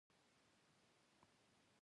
د یخچالونو وېلې کېدل د اوبو سرچینه ده.